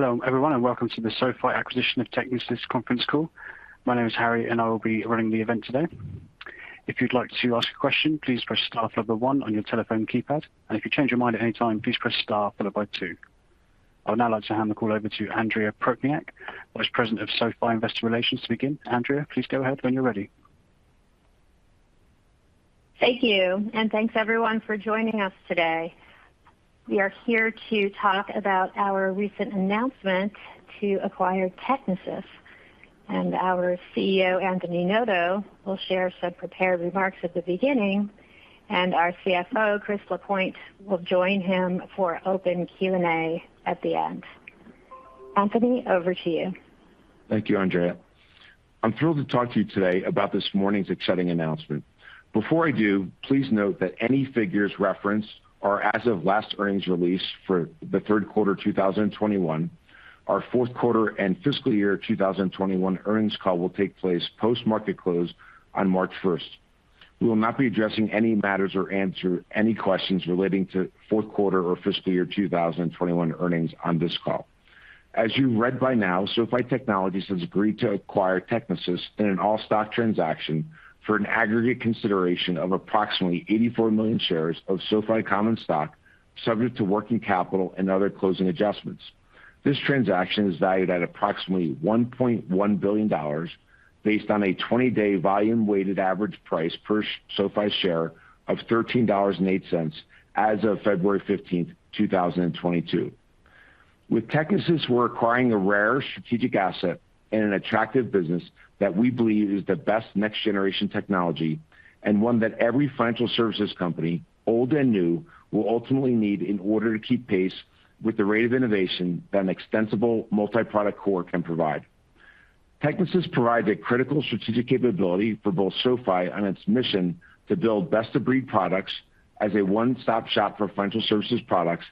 Hello everyone, and welcome to the SoFi Acquisition of Technisys Conference Call. My name is Harry and I will be running the event today. If you'd like to ask a question, please press star followed by one on your telephone keypad, and if you change your mind at any time, please press star followed by two. I would now like to hand the call over to Andrea Prochniak, Vice President of SoFi Investor Relations to begin. Andrea, please go ahead when you're ready. Thank you. Thanks everyone for joining us today. We are here to talk about our recent announcement to acquire Technisys. Our CEO, Anthony Noto, will share some prepared remarks at the beginning, and our CFO, Chris Lapointe, will join him for open Q&A at the end. Anthony, over to you. Thank you, Andrea. I'm thrilled to talk to you today about this morning's exciting announcement. Before I do, please note that any figures referenced are as of last earnings release for the third quarter 2021. Our fourth quarter and fiscal year 2021 earnings call will take place post-market close on March 1st. We will not be addressing any matters or answer any questions relating to fourth quarter or fiscal year 2021 earnings on this call. As you've read by now, SoFi Technologies has agreed to acquire Technisys in an all-stock transaction for an aggregate consideration of approximately 84 million shares of SoFi common stock, subject to working capital and other closing adjustments. This transaction is valued at approximately $1.1 billion based on a 20-day volume weighted average price per SoFi share of $13.08 as of February 15, 2022. With Technisys, we're acquiring a rare strategic asset and an attractive business that we believe is the best next generation technology and one that every financial services company, old and new, will ultimately need in order to keep pace with the rate of innovation that an extensible multi-product core can provide. Technisys provides a critical strategic capability for both SoFi on its mission to build best-of-breed products as a one-stop shop for financial services products,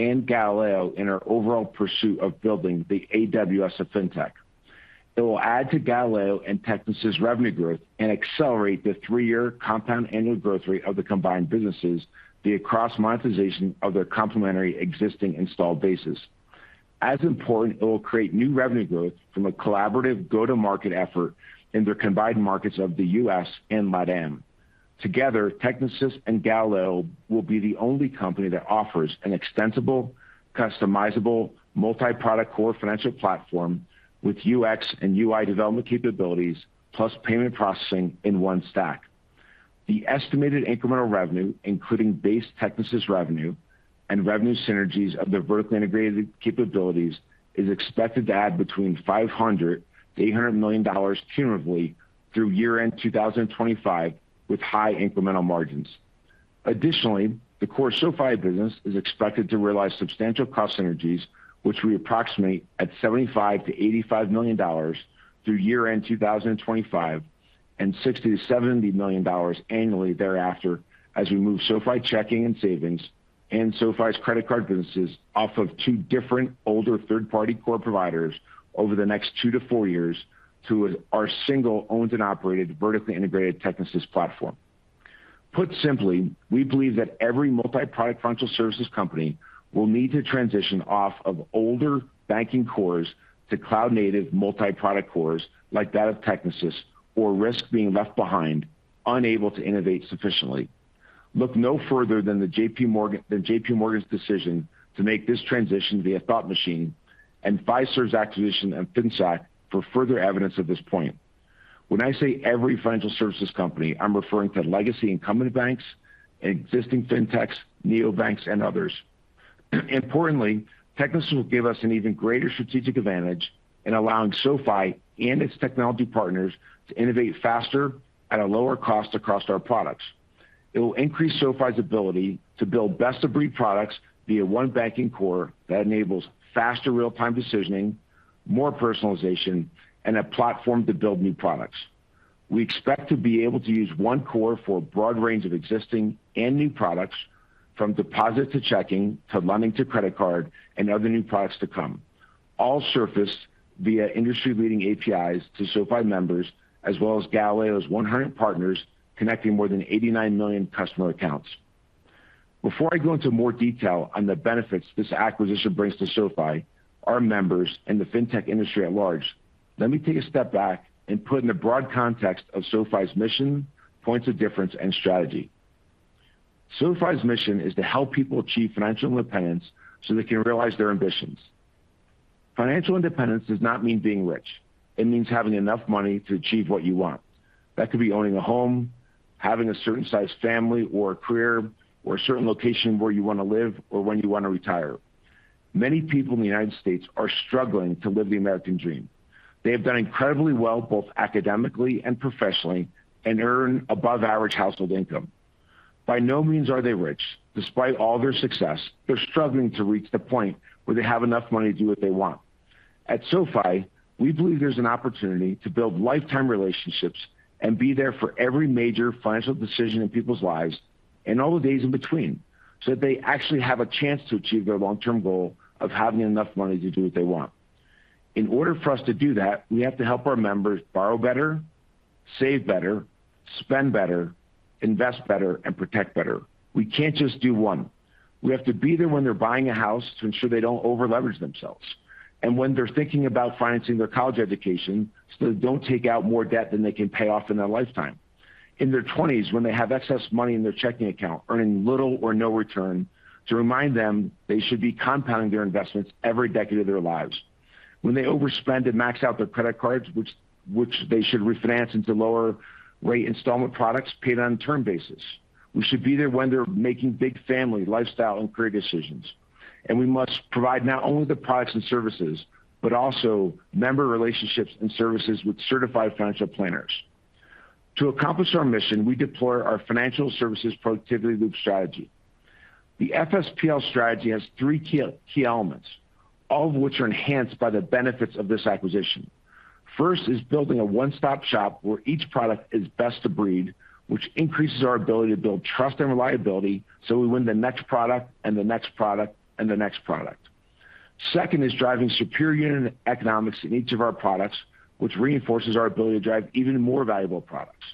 and Galileo in our overall pursuit of building the AWS of Fintech. It will add to Galileo and Technisys revenue growth and accelerate the three-year compound annual growth rate of the combined businesses via cross monetization of their complementary existing installed bases. As important, it will create new revenue growth from a collaborative go-to-market effort in their combined markets of the U.S. and LATAM. Together, Technisys and Galileo will be the only company that offers an extensible, customizable, multi-product core financial platform with UX and UI development capabilities, plus payment processing in one stack. The estimated incremental revenue, including base Technisys revenue and revenue synergies of their vertically integrated capabilities, is expected to add between $500 million-$800 million cumulatively through year-end 2025 with high incremental margins. Additionally, the core SoFi business is expected to realize substantial cost synergies, which we approximate at $75 million-$85 million through year-end 2025 and $60 million-$70 million annually thereafter as we move SoFi Checking and Savings and SoFi Credit Card businesses off of two different older third-party core providers over the next two to four years to our single owned and operated vertically integrated Technisys platform. Put simply, we believe that every multi-product financial services company will need to transition off of older banking cores to cloud-native multi-product cores like that of Technisys or risk being left behind, unable to innovate sufficiently. Look no further than JPMorgan's decision to make this transition via Thought Machine and Fiserv's acquisition of Finxact for further evidence of this point. When I say every financial services company, I'm referring to legacy incumbent banks, existing fintechs, neobanks and others. Importantly, Technisys will give us an even greater strategic advantage in allowing SoFi and its technology partners to innovate faster at a lower cost across our products. It will increase SoFi's ability to build best-of-breed products via one banking core that enables faster real-time decisioning, more personalization, and a platform to build new products. We expect to be able to use one core for a broad range of existing and new products, from deposit to checking, to lending to credit card, and other new products to come, all surfaced via industry-leading APIs to SoFi members, as well as Galileo's 100 partners connecting more than 89 million customer accounts. Before I go into more detail on the benefits this acquisition brings to SoFi, our members, and the Fintech industry at large, let me take a step back and put in the broad context of SoFi's mission, points of difference, and strategy. SoFi's mission is to help people achieve financial independence so they can realize their ambitions. Financial independence does not mean being rich. It means having enough money to achieve what you want. That could be owning a home, having a certain size family or a career, or a certain location where you wanna live or when you wanna retire. Many people in the United States are struggling to live the American dream. They have done incredibly well, both academically and professionally, and earn above average household income. By no means are they rich. Despite all their success, they're struggling to reach the point where they have enough money to do what they want. At SoFi, we believe there's an opportunity to build lifetime relationships and be there for every major financial decision in people's lives and all the days in between, so that they actually have a chance to achieve their long-term goal of having enough money to do what they want. In order for us to do that, we have to help our members borrow better, save better, spend better, invest better, and protect better. We can't just do one. We have to be there when they're buying a house to ensure they don't over-leverage themselves. When they're thinking about financing their college education, so they don't take out more debt than they can pay off in their lifetime. In their 20s, when they have excess money in their checking account earning little or no return, to remind them they should be compounding their investments every decade of their lives. When they overspend and max out their credit cards, which they should refinance into lower rate installment products paid on a term basis. We should be there when they're making big family, lifestyle, and career decisions. We must provide not only the products and services, but also member relationships and services with certified financial planners. To accomplish our mission, we deploy our Financial Services Productivity Loop strategy. The FSPL strategy has three key elements, all of which are enhanced by the benefits of this acquisition. First is building a one-stop shop where each product is best of breed, which increases our ability to build trust and reliability, so we win the next product and the next product and the next product. Second is driving superior economics in each of our products, which reinforces our ability to drive even more valuable products.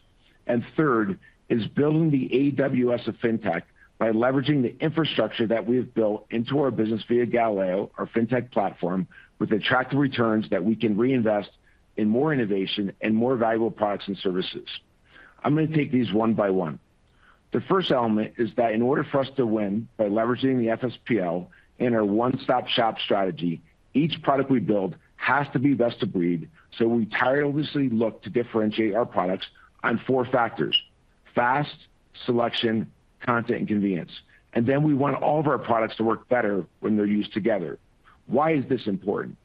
Third is building the AWS of Fintech by leveraging the infrastructure that we have built into our business via Galileo, our Fintech platform, with attractive returns that we can reinvest in more innovation and more valuable products and services. I'm gonna take these one by one. The first element is that in order for us to win by leveraging the FSPL in our one-stop-shop strategy, each product we build has to be best of breed, so we tirelessly look to differentiate our products on four factors, fast, selection, content, and convenience. We want all of our products to work better when they're used together. Why is this important?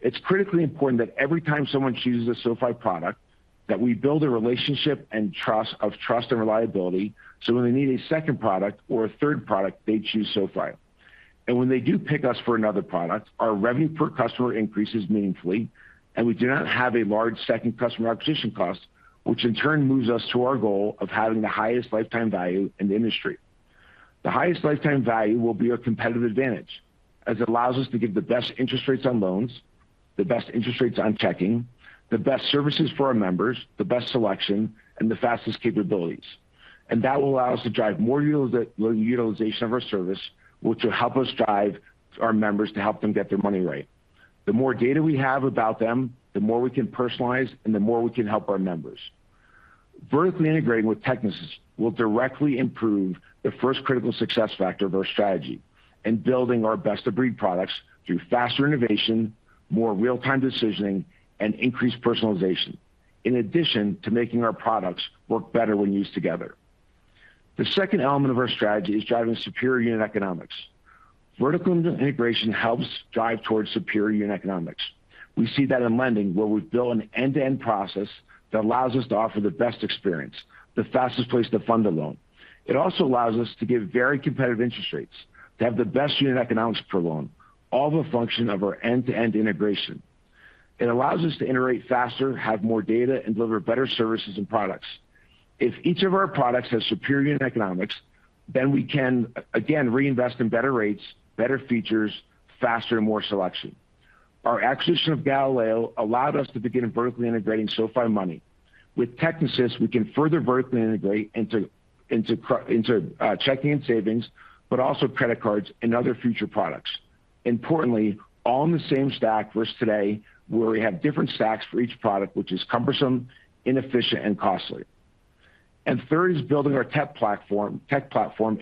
It's critically important that every time someone chooses a SoFi product, that we build a relationship and trust and reliability, so when they need a second product or a third product, they choose SoFi. When they do pick us for another product, our revenue per customer increases meaningfully, and we do not have a large second customer acquisition cost, which in turn moves us to our goal of having the highest lifetime value in the industry. The highest lifetime value will be a competitive advantage, as it allows us to give the best interest rates on loans, the best interest rates on checking, the best services for our members, the best selection, and the fastest capabilities. That will allow us to drive more utilization of our service, which will help us drive our members to help them get their money right. The more data we have about them, the more we can personalize and the more we can help our members. Vertically integrating with Technisys will directly improve the first critical success factor of our strategy in building our best of breed products through faster innovation, more real-time decisioning, and increased personalization, in addition to making our products work better when used together. The second element of our strategy is driving superior unit economics. Vertical integration helps drive towards superior unit economics. We see that in Lending, where we've built an end-to-end process that allows us to offer the best experience, the fastest pace to fund a loan. It also allows us to give very competitive interest rates, to have the best unit economics per loan, all the function of our end-to-end integration. It allows us to iterate faster, have more data, and deliver better services and products. If each of our products has superior unit economics, then we can again reinvest in better rates, better features, faster and more selection. Our acquisition of Galileo allowed us to begin vertically integrating SoFi Money. With Technisys, we can further vertically integrate into checking and savings, but also credit cards and other future products. Importantly, all in the same stack versus today, where we have different stacks for each product, which is cumbersome, inefficient, and costly. Third is building our tech platform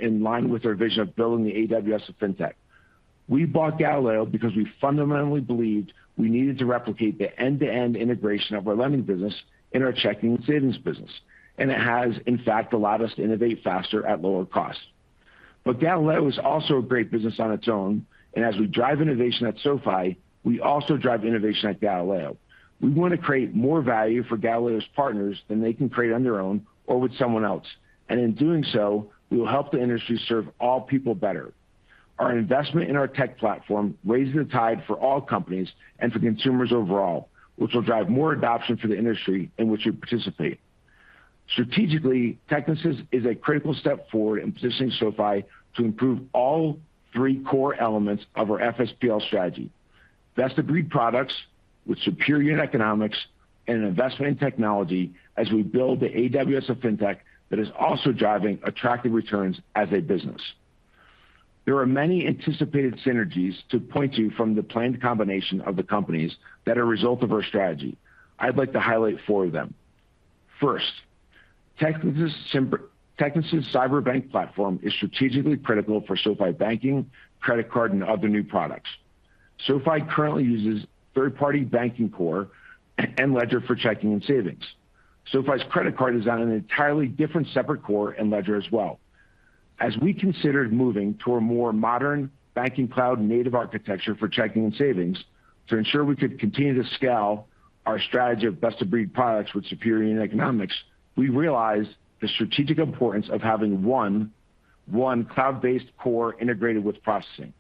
in line with our vision of building the AWS of Fintech. We bought Galileo because we fundamentally believed we needed to replicate the end-to-end integration of our Lending business in our checking and savings business. It has, in fact, allowed us to innovate faster at lower cost. Galileo is also a great business on its own, and as we drive innovation at SoFi, we also drive innovation at Galileo. We want to create more value for Galileo's partners than they can create on their own or with someone else. In doing so, we will help the industry serve all people better. Our investment in our tech platform raises the tide for all companies and for consumers overall, which will drive more adoption for the industry in which we participate. Strategically, Technisys is a critical step forward in positioning SoFi to improve all three core elements of our FSPL strategy. Best-of-breed products with superior economics and an investment in technology as we build the AWS of Fintech that is also driving attractive returns as a business. There are many anticipated synergies to point to from the planned combination of the companies that are a result of our strategy. I'd like to highlight four of them. First, Technisys' Cyberbank platform is strategically critical for SoFi banking, credit card, and other new products. SoFi currently uses third-party banking core and ledger for checking and savings. SoFi's credit card is on an entirely different separate core and ledger as well. As we considered moving to a more modern banking cloud-native architecture for checking and savings to ensure we could continue to scale our strategy of best of breed products with superior unit economics, we realized the strategic importance of having one cloud-based core integrated with processing.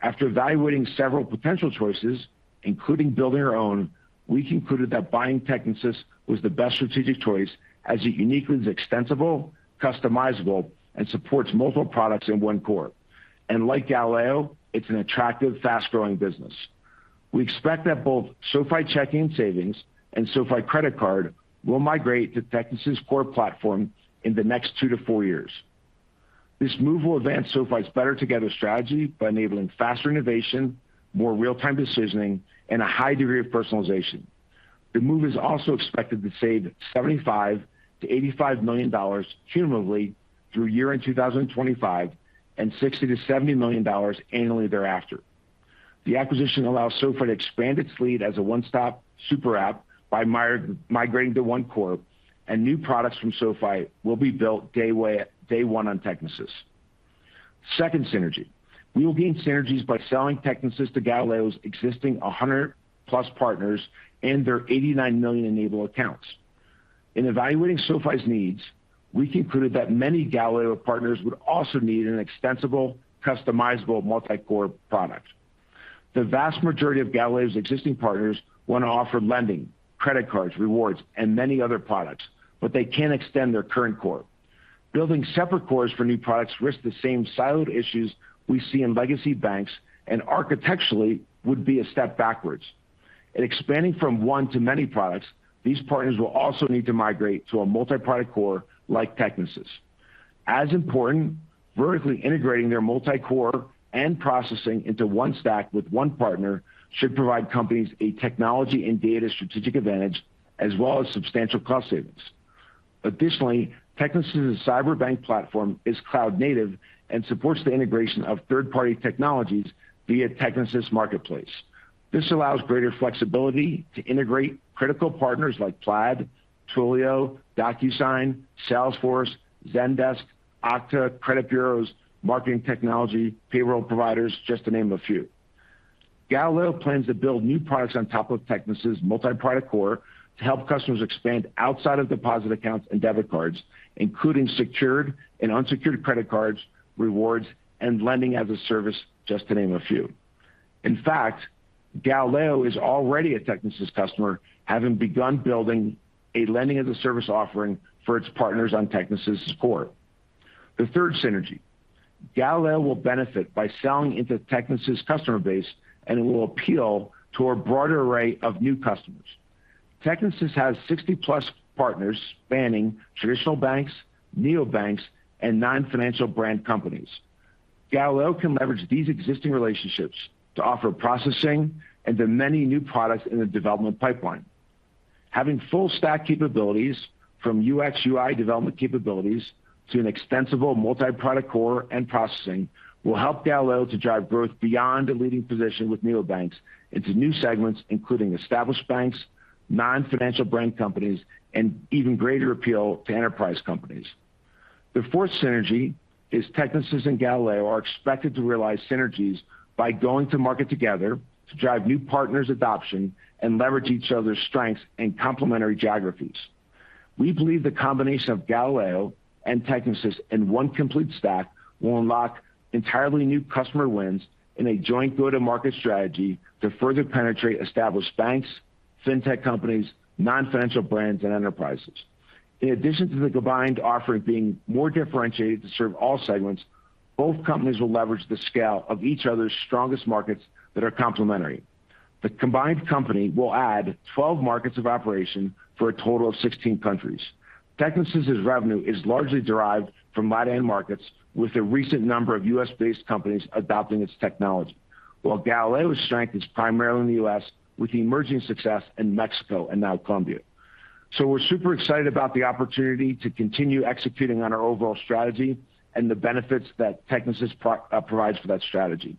After evaluating several potential choices, including building our own, we concluded that buying Technisys was the best strategic choice as it uniquely is extensible, customizable, and supports multiple products in one core. Like Galileo, it's an attractive, fast-growing business. We expect that both SoFi Checking and Savings and SoFi Credit Card will migrate to Technisys core platform in the next two to four years. This move will advance SoFi's better together strategy by enabling faster innovation, more real-time decisioning, and a high degree of personalization. The move is also expected to save $75 million-$85 million cumulatively through year-end 2025, and $60 million-$70 million annually thereafter. The acquisition allows SoFi to expand its lead as a one-stop super app by migrating to one core, and new products from SoFi will be built day one on Technisys. Second synergy. We will gain synergies by selling Technisys to Galileo's existing 100+ partners and their 89 million enabled accounts. In evaluating SoFi's needs, we concluded that many Galileo partners would also need an extensible, customizable, multi-core product. The vast majority of Galileo's existing partners want to offer lending, credit cards, rewards, and many other products, but they can't extend their current core. Building separate cores for new products risk the same siloed issues we see in legacy banks and architecturally would be a step backwards. In expanding from one to many products, these partners will also need to migrate to a multi-product core like Technisys. As important, vertically integrating their multi-core and processing into one stack with one partner should provide companies a technology and data strategic advantage as well as substantial cost savings. Additionally, Technisys Cyberbank platform is cloud native and supports the integration of third-party technologies via Technisys Marketplace. This allows greater flexibility to integrate critical partners like Plaid, Twilio, DocuSign, Salesforce, Zendesk, Okta, credit bureaus, marketing technology, payroll providers, just to name a few. Galileo plans to build new products on top of Technisys multi-product core to help customers expand outside of deposit accounts and debit cards, including secured and unsecured credit cards, rewards, and Lending-as-a-Service, just to name a few. In fact, Galileo is already a Technisys customer, having begun building a Lending-as-a-Service offering for its partners on Technisys core. The third synergy, Galileo will benefit by selling into Technisys customer base, and it will appeal to a broader array of new customers. Technisys has 60+ partners spanning traditional banks, neobanks, and non-financial brand companies. Galileo can leverage these existing relationships to offer processing and the many new products in the development pipeline. Having full stack capabilities from UX/UI development capabilities to an extensible multi-product core and processing will help Galileo to drive growth beyond a leading position with neobanks into new segments, including established banks, non-financial brand companies, and even greater appeal to enterprise companies. The fourth synergy is Technisys and Galileo are expected to realize synergies by going to market together to drive new partners adoption and leverage each other's strengths and complementary geographies. We believe the combination of Galileo and Technisys in one complete stack will unlock entirely new customer wins in a joint go-to-market strategy to further penetrate established banks, fintech companies, non-financial brands, and enterprises. In addition to the combined offering being more differentiated to serve all segments, both companies will leverage the scale of each other's strongest markets that are complementary. The combined company will add 12 markets of operation for a total of 16 countries. Technisys' revenue is largely derived from mid-end markets, with a recent number of U.S.-based companies adopting its technology. While Galileo's strength is primarily in the U.S., with emerging success in Mexico and now Colombia. We're super excited about the opportunity to continue executing on our overall strategy and the benefits that Technisys provides for that strategy.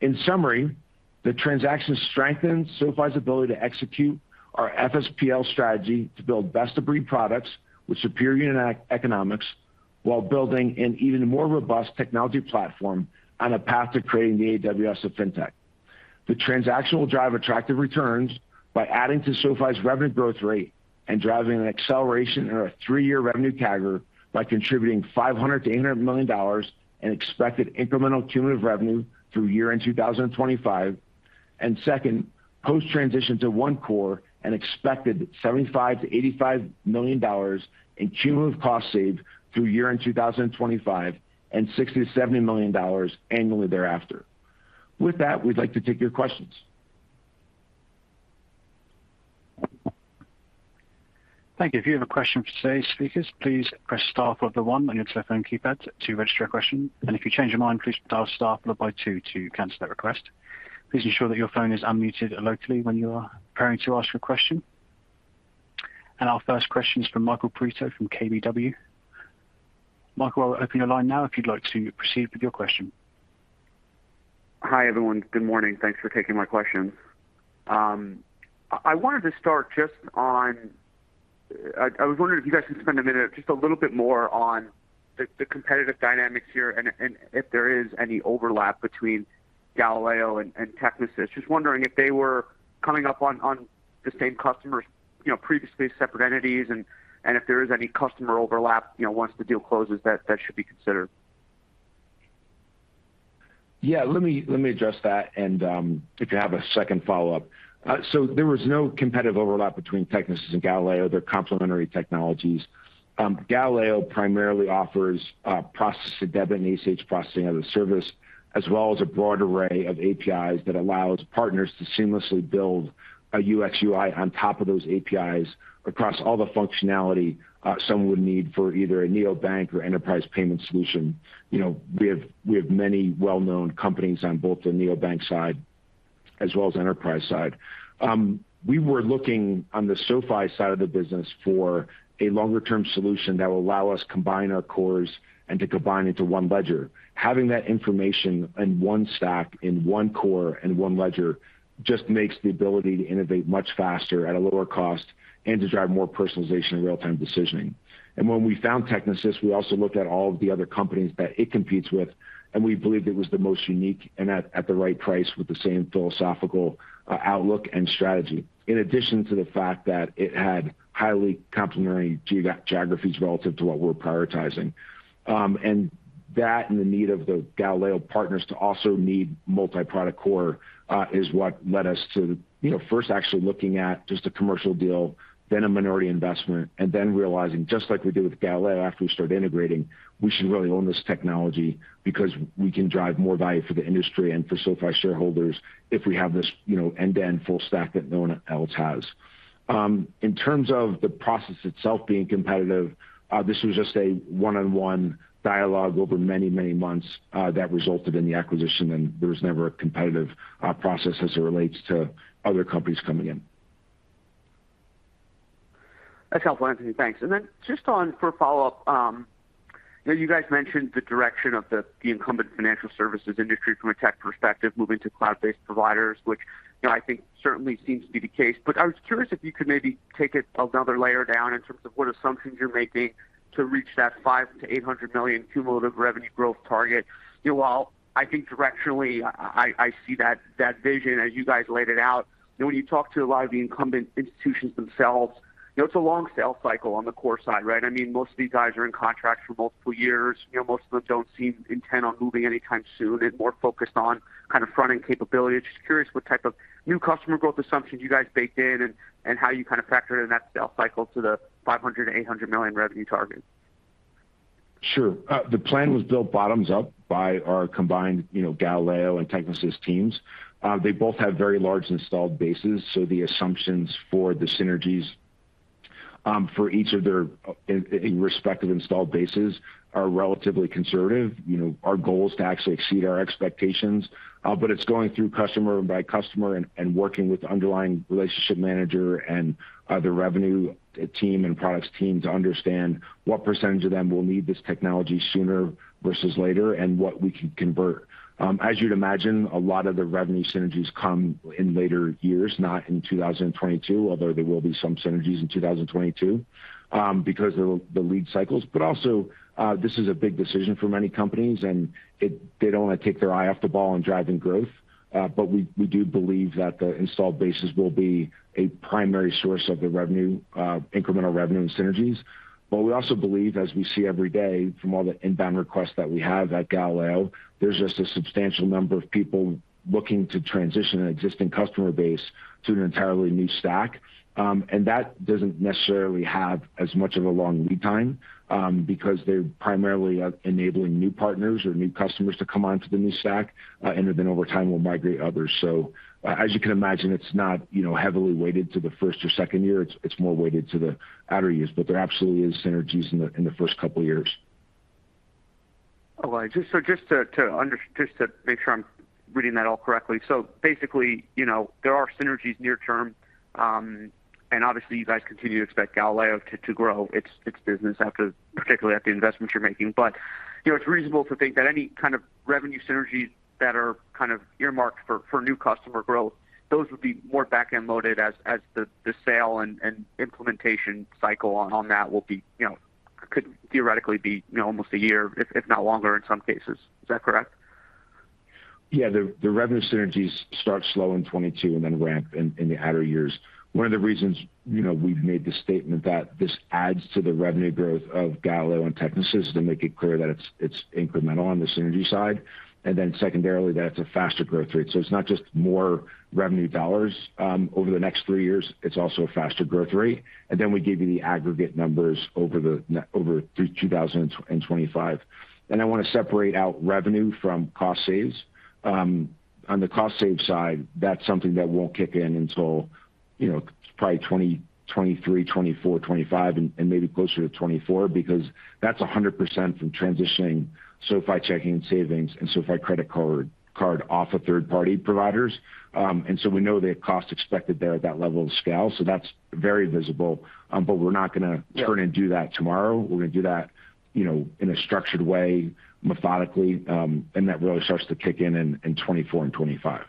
In summary, the transaction strengthens SoFi's ability to execute our FSPL strategy to build best-of-breed products with superior unit economics while building an even more robust technology platform on a path to creating the AWS of Fintech. The transaction will drive attractive returns by adding to SoFi's revenue growth rate and driving an acceleration in our three-year revenue CAGR by contributing $500 million-$800 million in expected incremental cumulative revenue through year-end 2025. Second, post-transition to one core, an expected $75 million-$85 million in cumulative cost savings through year-end 2025 and $60 million-$70 million annually thereafter. With that, we'd like to take your questions. Thank you. If you have a question for today's speakers, please press star followed by one on your telephone keypad to register a question. If you change your mind, please dial star followed by two to cancel that request. Please ensure that your phone is unmuted locally when you are preparing to ask your question. Our first question is from Michael Perito from KBW. Michael, I'll open your line now if you'd like to proceed with your question. Hi, everyone. Good morning. Thanks for taking my question. I wanted to start just on, I was wondering if you guys can spend a minute just a little bit more on the competitive dynamics here and if there is any overlap between Galileo and Technisys. Just wondering if they were coming up on the same customers, you know, previously separate entities and if there is any customer overlap, you know, once the deal closes that should be considered. Yeah, let me address that and if you have a second follow-up. There was no competitive overlap between Technisys and Galileo. They're complementary technologies. Galileo primarily offers debit processing and ACH processing as a service, as well as a broad array of APIs that allows partners to seamlessly build a UX UI on top of those APIs across all the functionality someone would need for either a neobank or enterprise payment solution. You know, we have many well-known companies on both the neobank side as well as enterprise side. We were looking on the SoFi side of the business for a longer-term solution that will allow us combine our cores and to combine into one ledger. Having that information in one stack, in one core, in one ledger just makes the ability to innovate much faster at a lower cost and to drive more personalization and real-time decisioning. When we found Technisys, we also looked at all of the other companies that it competes with, and we believed it was the most unique and at the right price with the same philosophical outlook and strategy. In addition to the fact that it had highly complementary geographies relative to what we're prioritizing. The need of the Galileo partners to also need multi-product core is what led us to, you know, first actually looking at just a commercial deal, then a minority investment, and then realizing, just like we did with Galileo after we started integrating, we should really own this technology because we can drive more value for the industry and for SoFi shareholders if we have this, you know, end-to-end full stack that no one else has. In terms of the process itself being competitive, this was just a one-on-one dialogue over many, many months that resulted in the acquisition, and there was never a competitive process as it relates to other companies coming in. That's helpful, Anthony. Thanks. Just on for follow-up, you know, you guys mentioned the direction of the incumbent financial services industry from a tech perspective moving to cloud-based providers, which, you know, I think certainly seems to be the case. I was curious if you could maybe take it another layer down in terms of what assumptions you're making to reach that $500 million-$800 million cumulative revenue growth target. You know, while I think directionally I see that vision as you guys laid it out, you know, when you talk to a lot of the incumbent institutions themselves, you know, it's a long sales cycle on the core side, right? I mean, most of these guys are in contracts for multiple years. You know, most of them don't seem intent on moving anytime soon and more focused on kind of front-end capability. Just curious what type of new customer growth assumptions you guys baked in and how you kind of factor in that sales cycle to the $500 million-$800 million revenue target. Sure. The plan was built bottoms up by our combined, you know, Galileo and Technisys teams. They both have very large installed bases, so the assumptions for the synergies, for each of their respective installed bases are relatively conservative. You know, our goal is to actually exceed our expectations. But it's going through customer by customer and working with the underlying relationship manager and the revenue team and products team to understand what percentage of them will need this technology sooner versus later and what we can convert. As you'd imagine, a lot of the revenue synergies come in later years, not in 2022, although there will be some synergies in 2022, because of the lead cycles. Also, this is a big decision for many companies, and they don't want to take their eye off the ball in driving growth. We do believe that the installed bases will be a primary source of the revenue, incremental revenue and synergies. We also believe, as we see every day from all the inbound requests that we have at Galileo, there's just a substantial number of people looking to transition an existing customer base to an entirely new stack. That doesn't necessarily have as much of a long lead time, because they're primarily enabling new partners or new customers to come onto the new stack, and then over time will migrate others. As you can imagine, it's not, you know, heavily weighted to the first or second year. It's more weighted to the outer years. There absolutely is synergies in the first couple years. All right. Just to make sure I'm reading that all correctly. Basically, you know, there are synergies near term, and obviously you guys continue to expect Galileo to grow its business, particularly after the investments you're making. You know, it's reasonable to think that any kind of revenue synergies that are kind of earmarked for new customer growth, those would be more back-end loaded as the sale and implementation cycle on that will be, you know, could theoretically be, you know, almost a year, if not longer in some cases. Is that correct? The revenue synergies start slow in 2022 and then ramp in the outer years. One of the reasons, you know, we've made the statement that this adds to the revenue growth of Galileo and Technisys is to make it clear that it's incremental on the synergy side, and then secondarily, that it's a faster growth rate. It's not just more revenue dollars over the next three years, it's also a faster growth rate. We gave you the aggregate numbers over through 2025. I want to separate out revenue from cost savings. On the cost savings side, that's something that won't kick in until, you know, probably 2023, 2024, 2025 and maybe closer to 2024 because that's 100% from transitioning SoFi Checking and Savings and SoFi Credit Card off of third-party providers. We know the costs expected there at that level of scale, so that's very visible. We're not gonna- Yeah. Turn and do that tomorrow. We're gonna do that, you know, in a structured way methodically. That really starts to kick in in 2024 and 2025.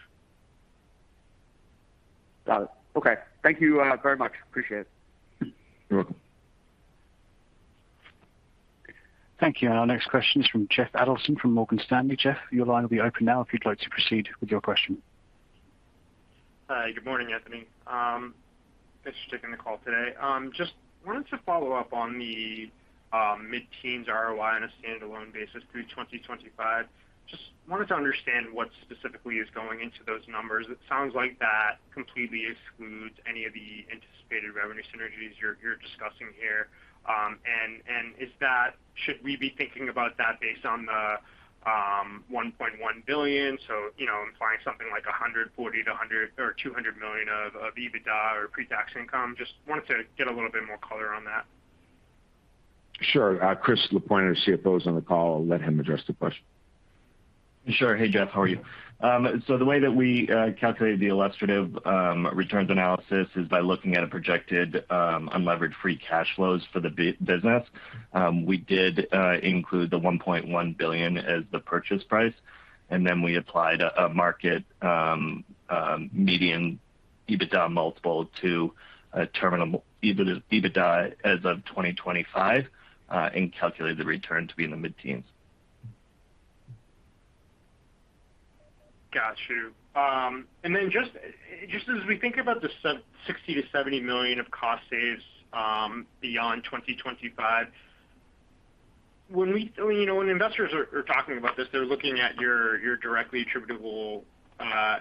Got it. Okay. Thank you, very much. Appreciate it. You're welcome. Thank you. Our next question is from Jeff Adelson from Morgan Stanley. Jeff, your line will be open now if you'd like to proceed with your question. Hi, good morning, Anthony. Thanks for taking the call today. Just wanted to follow up on the mid-teens ROI on a standalone basis through 2025. Just wanted to understand what specifically is going into those numbers. It sounds like that completely excludes any of the anticipated revenue synergies you're discussing here. And should we be thinking about that based on the $1.1 billion? You know, implying something like $140 million-$150 million or $200 million of EBITDA or pre-tax income. Just wanted to get a little bit more color on that. Sure. Chris Lapointe, our CFO, is on the call. I'll let him address the question. Sure. Hey, Jeff. How are you? The way that we calculate the illustrative returns analysis is by looking at a projected unlevered free cash flows for the business. We did include the $1.1 billion as the purchase price, and then we applied a market median EBITDA multiple to a terminal EBITDA as of 2025, and calculated the return to be in the mid-teens. Got you. Just as we think about the $60 million-$70 million of cost savings, beyond 2025, you know, when investors are talking about this, they're looking at your directly attributable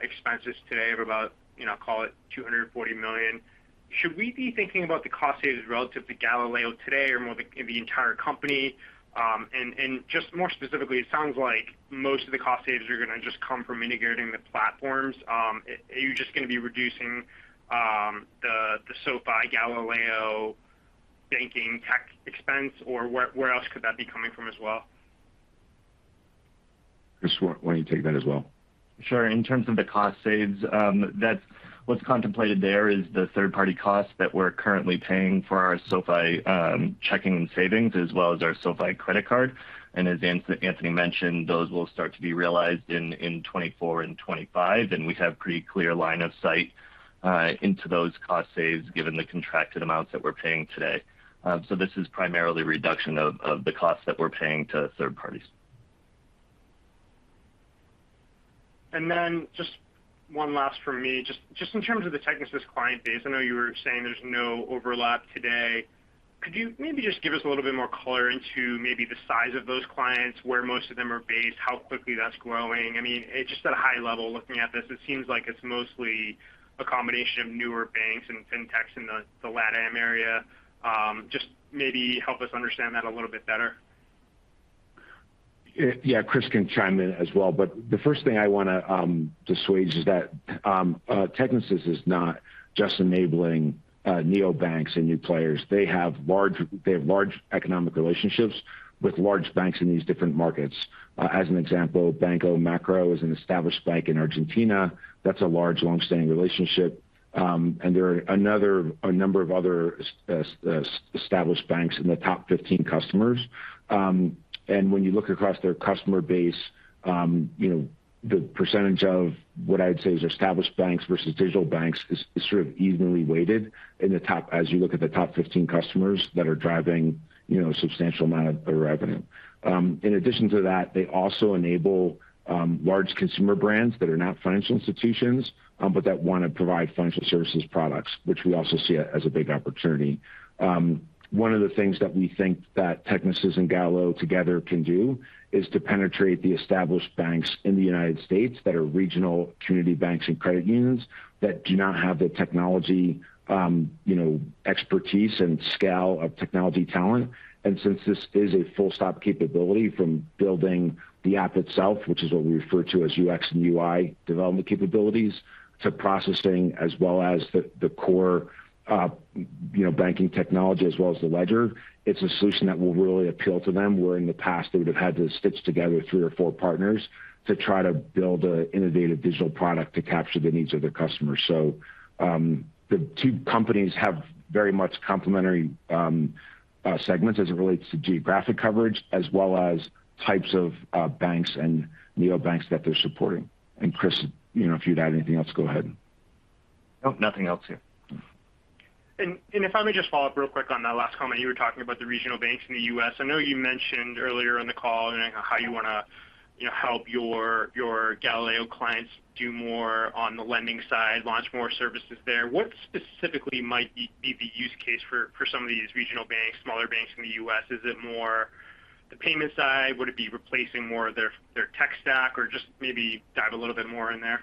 expenses today of about, you know, call it $240 million. Should we be thinking about the cost savings relative to Galileo today or more the entire company? Just more specifically, it sounds like most of the cost savings are gonna just come from integrating the platforms. Are you just gonna be reducing the SoFi Galileo banking tech expense, or where else could that be coming from as well? Chris, why don't you take that as well? Sure. In terms of the cost savings, that's what's contemplated there is the third-party costs that we're currently paying for our SoFi Checking and Savings, as well as our SoFi Credit Card. As Anthony mentioned, those will start to be realized in 2024 and 2025, and we have pretty clear line of sight into those cost savings given the contracted amounts that we're paying today. This is primarily reduction of the costs that we're paying to third parties. Just one last from me. Just in terms of the Technisys client base, I know you were saying there's no overlap today. Could you maybe just give us a little bit more color into maybe the size of those clients, where most of them are based, how quickly that's growing? I mean, just at a high level looking at this, it seems like it's mostly a combination of newer banks and fintechs in the LatAm area. Just maybe help us understand that a little bit better. Yeah. Chris can chime in as well. But the first thing I wanna dissuade is that Technisys is not just enabling neobanks and new players. They have large economic relationships with large banks in these different markets. As an example, Banco Macro is an established bank in Argentina. That's a large long-standing relationship. And there are a number of other established banks in the top 15 customers. And when you look across their customer base, you know, the percentage of what I'd say is established banks versus digital banks is sort of evenly weighted as you look at the top 15 customers that are driving, you know, a substantial amount of their revenue. In addition to that, they also enable large consumer brands that are not financial institutions, but that wanna provide financial services products, which we also see as a big opportunity. One of the things that we think that Technisys and Galileo together can do is to penetrate the established banks in the United States that are regional community banks and credit unions that do not have the technology, you know, expertise and scale of technology talent. Since this is a full-stack capability from building the app itself, which is what we refer to as UX and UI development capabilities, to processing as well as the core, you know, banking technology as well as the ledger, it's a solution that will really appeal to them, where in the past they would have had to stitch together three of four partners to try to build an innovative digital product to capture the needs of their customers. The two companies have very much complementary segments as it relates to geographic coverage as well as types of banks and neobanks that they're supporting. Chris, you know, if you'd add anything else, go ahead. Nope. Nothing else here. Mm-hmm. If I may just follow up real quick on that last comment, you were talking about the regional banks in the U.S. I know you mentioned earlier in the call, and how you wanna, you know, help your Galileo clients do more on the Lending side, launch more services there. What specifically might be the use case for some of these regional banks, smaller banks in the U.S.? Is it more the payment side? Would it be replacing more of their tech stack, or just maybe dive a little bit more in there?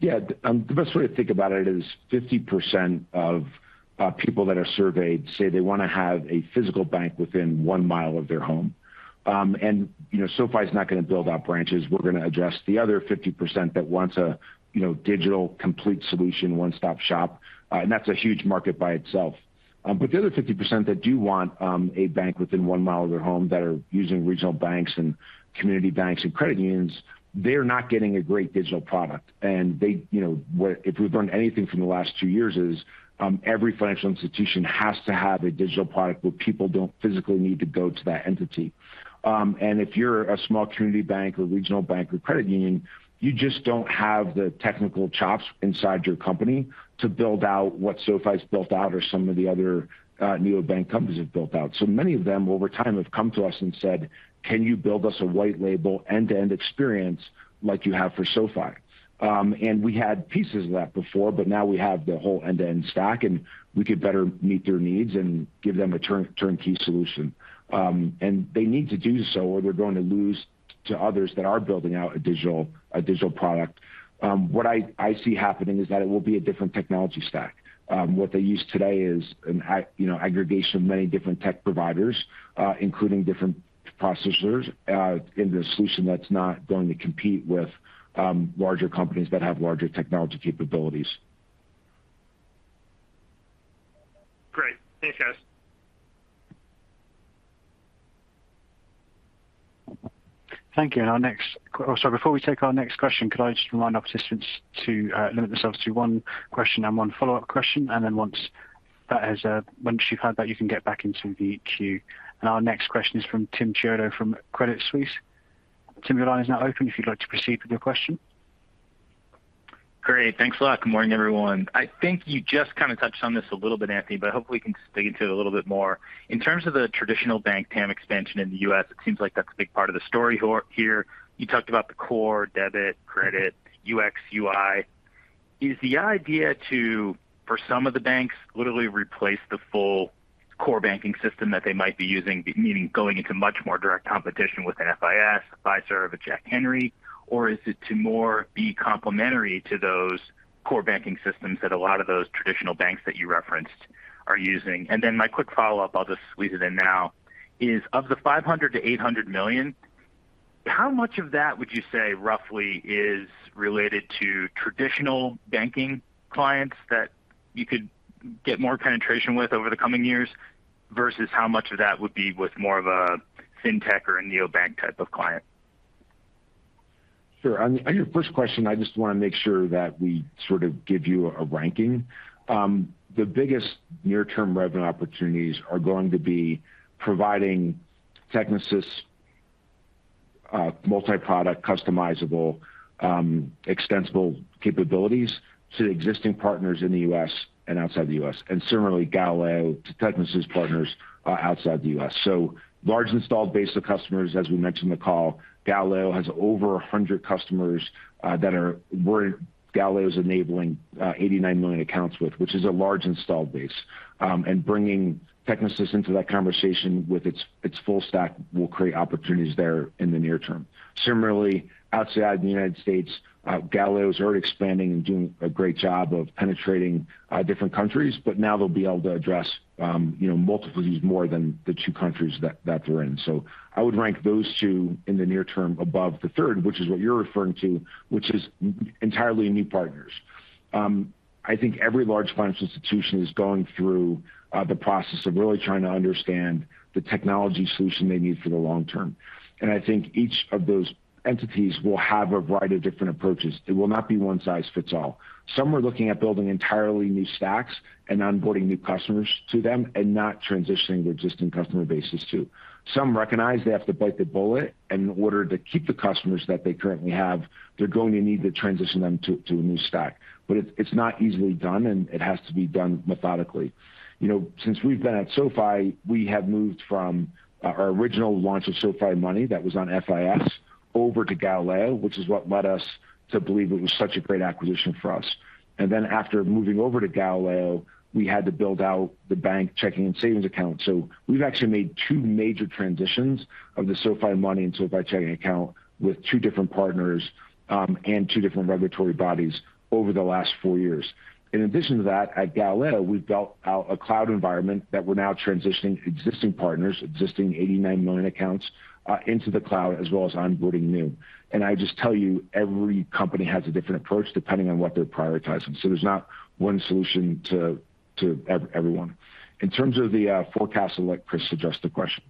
Yeah. The best way to think about it is 50% of people that are surveyed say they wanna have a physical bank within one mile of their home. You know, SoFi is not gonna build out branches. We're gonna address the other 50% that wants a, you know, digital complete solution, one-stop-shop, and that's a huge market by itself. The other 50% that do want a bank within one mile of their home that are using regional banks and community banks and credit unions, they're not getting a great digital product. They, you know, if we've learned anything from the last two years is every financial institution has to have a digital product where people don't physically need to go to that entity. If you're a small community bank or regional bank or credit union, you just don't have the technical chops inside your company to build out what SoFi's built out or some of the other neobank companies have built out. Many of them over time have come to us and said, "Can you build us a white label end-to-end experience like you have for SoFi?" We had pieces of that before, but now we have the whole end-to-end stack, and we could better meet their needs and give them a turnkey solution. They need to do so or they're going to lose to others that are building out a digital product. What I see happening is that it will be a different technology stack. What they use today is an aggregation of many different tech providers, including different processors, in the solution that's not going to compete with larger companies that have larger technology capabilities. Great. Thanks, guys. Thank you. Before we take our next question, could I just remind our participants to limit themselves to one question and one follow-up question, and then once you've had that, you can get back into the queue. Our next question is from Tim Chiodo from Credit Suisse. Tim, your line is now open if you'd like to proceed with your question. Great. Thanks a lot. Good morning, everyone. I think you just kind of touched on this a little bit, Anthony, but hopefully we can dig into it a little bit more. In terms of the traditional bank TAM expansion in the U.S., it seems like that's a big part of the story here. You talked about the core debit, credit, UX, UI. Is the idea to, for some of the banks, literally replace the full core banking system that they might be using, meaning going into much more direct competition with an FIS, a Fiserv, a Jack Henry? Or is it to more be complementary to those core banking systems that a lot of those traditional banks that you referenced are using? My quick follow-up, I'll just squeeze it in now, is of the $500 million-$800 million, how much of that would you say roughly is related to traditional banking clients that you could get more penetration with over the coming years versus how much of that would be with more of a fintech or a neobank type of client? Sure. On your first question, I just want to make sure that we sort of give you a ranking. The biggest near-term revenue opportunities are going to be providing Technisys multi-product customizable extensible capabilities to existing partners in the U.S. and outside the U.S. Similarly, Galileo to Technisys partners outside the U.S. Large installed base of customers, as we mentioned on the call, Galileo has over 100 customers where Galileo is enabling 89 million accounts with which is a large installed base. Bringing Technisys into that conversation with its full stack will create opportunities there in the near term. Similarly, outside the United States, Galileo is already expanding and doing a great job of penetrating different countries, but now they'll be able to address, you know, multiple of these more than the two countries that they're in. I would rank those two in the near term above the third, which is what you're referring to, which is entirely new partners. I think every large financial institution is going through the process of really trying to understand the technology solution they need for the long term. I think each of those entities will have a variety of different approaches. It will not be one size fits all. Some are looking at building entirely new stacks and onboarding new customers to them and not transitioning their existing customer bases too. Some recognize they have to bite the bullet, and in order to keep the customers that they currently have, they're going to need to transition them to a new stack. It's not easily done, and it has to be done methodically. You know, since we've been at SoFi, we have moved from our original launch of SoFi Money that was on FIS over to Galileo, which is what led us to believe it was such a great acquisition for us. Then after moving over to Galileo, we had to build out the bank checking and savings account. We've actually made two major transitions of the SoFi Money into a SoFi checking account with two different partners, and two different regulatory bodies over the last four years. In addition to that, at Galileo, we've built out a cloud environment that we're now transitioning existing partners, existing 89 million accounts, into the cloud, as well as onboarding new. I just tell you, every company has a different approach depending on what they're prioritizing. There's not one solution to everyone. In terms of the forecast, I'll let Chris address the question.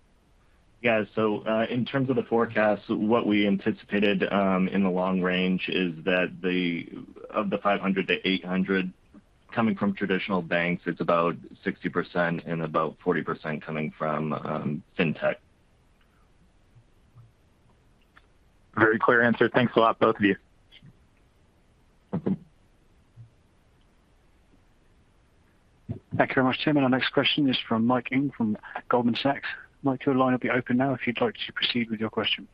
In terms of the forecast, what we anticipated in the long range is that of the $500 million-$800 million coming from traditional banks, it's about 60% and about 40% coming from fintech. Very clear answer. Thanks a lot, both of you. Thank you very much, Tim. Our next question is from Mike Ng from Goldman Sachs. Mike, your line will be open now if you'd like to proceed with your question.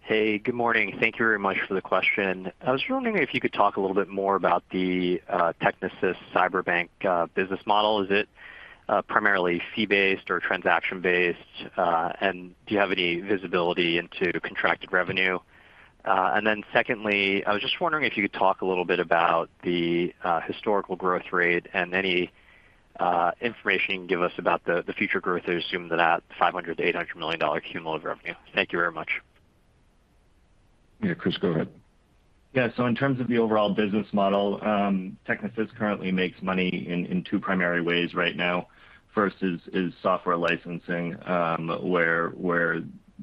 Hey, good morning. Thank you very much for the question. I was wondering if you could talk a little bit more about the Technisys Cyberbank business model. Is it primarily fee-based or transaction-based? Do you have any visibility into contracted revenue? Secondly, I was just wondering if you could talk a little bit about the historical growth rate and any information you can give us about the future growth. I assume that at $500 million-$800 million cumulative revenue. Thank you very much. Yeah. Chris, go ahead. Yeah. In terms of the overall business model, Technisys currently makes money in two primary ways right now. First is software licensing, where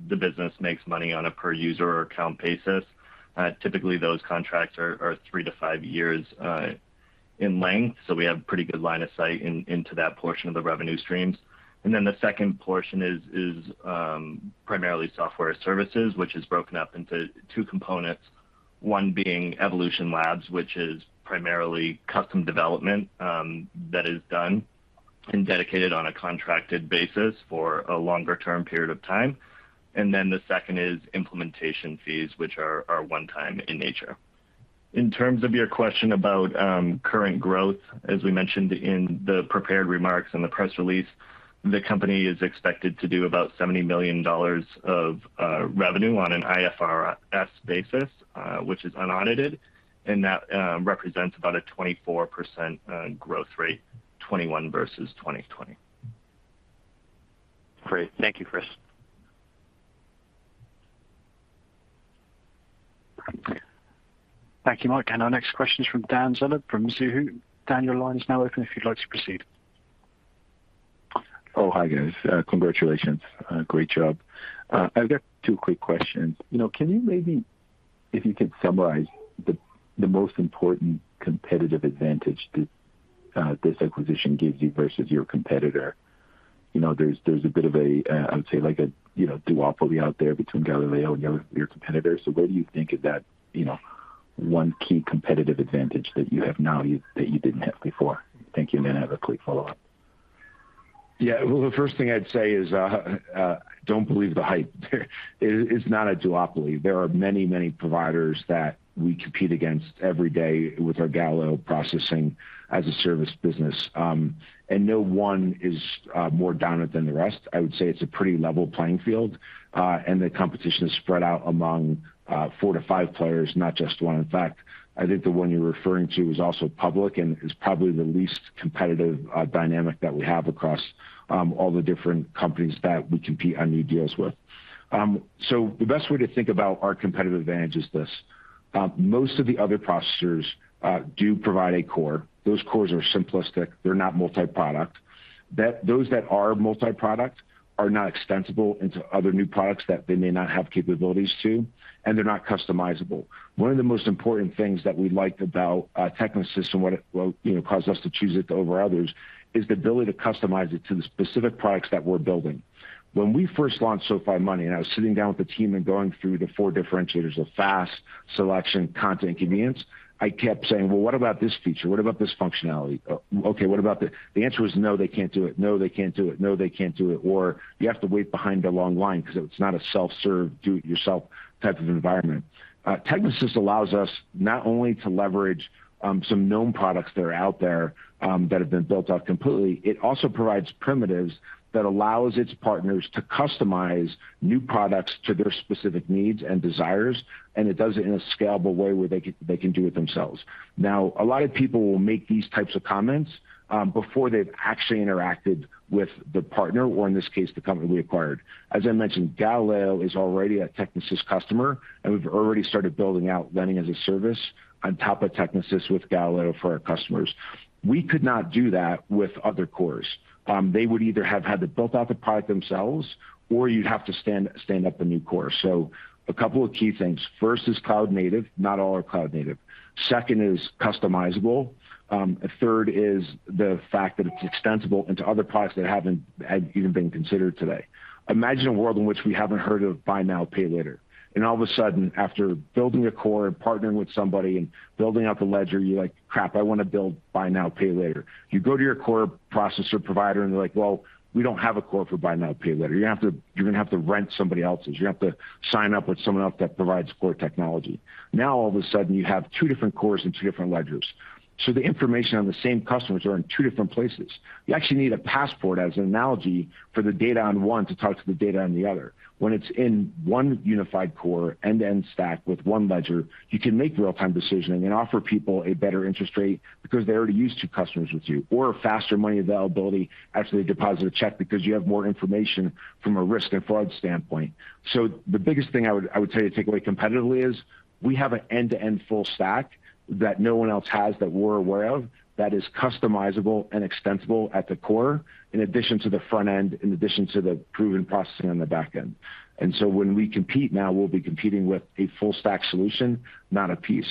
the business makes money on a per user or account basis. Typically those contracts are three to five years in length. We have pretty good line of sight into that portion of the revenue streams. The second portion is primarily software services, which is broken up into two components. One being Evolution Lab, which is primarily custom development that is done and dedicated on a contracted basis for a longer-term period of time. The second is implementation fees, which are one-time in nature. In terms of your question about current growth, as we mentioned in the prepared remarks and the press release, the company is expected to do about $70 million of revenue on an IFRS basis, which is unaudited, and that represents about a 24% growth rate, 2021 versus 2020. Great. Thank you, Chris. Thank you, Mike. Our next question is from Dan Dolev from Mizuho. Dan, your line is now open if you'd like to proceed. Oh, hi, guys. Congratulations. Great job. I've got two quick questions. You know, can you, if you could summarize the most important competitive advantage that this acquisition gives you versus your competitor. You know, there's a bit of a, I would say like a, you know, duopoly out there between Galileo and your competitor. Where do you think is that, you know, one key competitive advantage that you have now that you didn't have before? Thank you. I have a quick follow-up. Yeah. Well, the first thing I'd say is, don't believe the hype. It is not a duopoly. There are many, many providers that we compete against every day with our Galileo processing as a service business. No one is more dominant than the rest. I would say it's a pretty level playing field, and the competition is spread out among four to five players, not just one. In fact, I think the one you're referring to is also public and is probably the least competitive dynamic that we have across all the different companies that we compete on new deals with. The best way to think about our competitive advantage is this. Most of the other processors do provide a core. Those cores are simplistic. They're not multi-product. Those that are multi-product are not extensible into other new products that they may not have capabilities to, and they're not customizable. One of the most important things that we liked about Technisys and what it will, you know, cause us to choose it over others is the ability to customize it to the specific products that we're building. When we first launched SoFi Money and I was sitting down with the team and going through the four differentiators of fast, selection, content, convenience, I kept saying, "Well, what about this feature? What about this functionality? Okay, what about the" The answer was, "No, they can't do it. No, they can't do it. No, they can't do it." Or, "You have to wait behind a long line because it's not a self-serve, do-it-yourself type of environment." Technisys allows us not only to leverage some known products that are out there that have been built out completely, it also provides primitives that allows its partners to customize new products to their specific needs and desires, and it does it in a scalable way where they can do it themselves. Now, a lot of people will make these types of comments before they've actually interacted with the partner or in this case, the company we acquired. As I mentioned, Galileo is already a Technisys customer, and we've already started building out Lending-as-a-Service on top of Technisys with Galileo for our customers. We could not do that with other cores. They would either have had to built out the product themselves or you'd have to stand up a new core. A couple of key things. First is cloud native. Not all are cloud native. Second is customizable. Third is the fact that it's extensible into other products that haven't had even been considered today. Imagine a world in which we haven't heard of Buy Now, Pay Later. All of a sudden, after building a core, partnering with somebody and building out the ledger, you're like, "Crap, I want to build Buy Now, Pay Later." You go to your core processor provider, and they're like, "Well, we don't have a core for Buy Now, Pay Later. You're going to have to rent somebody else's. You have to sign up with someone else that provides core technology." Now, all of a sudden you have two different cores and two different ledgers. The information on the same customers are in two different places. You actually need a passport as an analogy for the data on one to talk to the data on the other. When it's in one unified core, end-to-end stack with one ledger, you can make real-time decision and offer people a better interest rate because they're already used to customers with you or faster money availability after they deposit a check because you have more information from a risk and fraud standpoint. The biggest thing I would tell you to take away competitively is we have an end-to-end full stack that no one else has that we're aware of that is customizable and extensible at the core, in addition to the front end, in addition to the proven processing on the back end. When we compete now, we'll be competing with a full stack solution, not a piece.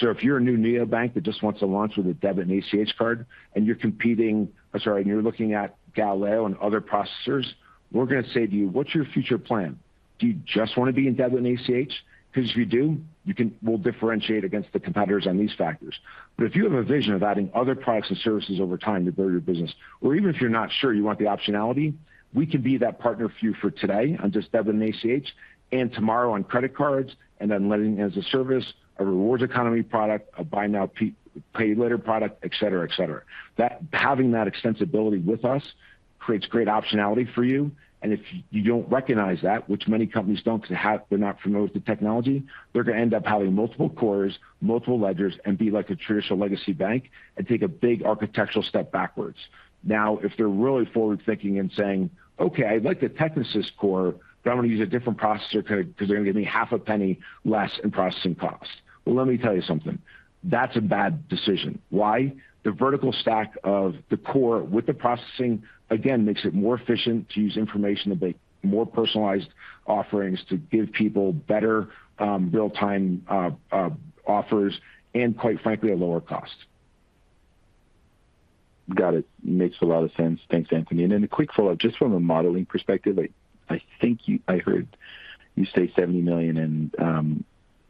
If you're a new neobank that just wants to launch with a debit and ACH card and you're looking at Galileo and other processors, we're going to say to you, "What's your future plan? Do you just want to be in debit and ACH? Because if you do, we'll differentiate against the competitors on these factors. If you have a vision of adding other products and services over time to build your business or even if you're not sure you want the optionality, we can be that partner for you for today on just debit and ACH and tomorrow on credit cards and then Lending-as-a-Service, a rewards economy product, a Buy Now, Pay Later product, et cetera, et cetera. That having that extensibility with us creates great optionality for you. If you don't recognize that, which many companies don't because they're not familiar with the technology, they're going to end up having multiple cores, multiple ledgers, and be like a traditional legacy bank and take a big architectural step backwards. Now, if they're really forward-thinking and saying, "Okay, I like the Technisys core, but I want to use a different processor 'cause they're going to give me half a penny less in processing costs." Well, let me tell you something. That's a bad decision. Why? The vertical stack of the core with the processing, again, makes it more efficient to use information to build more personalized offerings to give people better real-time offers and quite frankly, a lower cost. Got it. Makes a lot of sense. Thanks, Anthony. A quick follow-up, just from a modeling perspective, I heard you say $70 million in